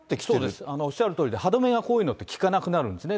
そうです、おっしゃるとおりで、歯止めがこういうの、利かなくなるんですね。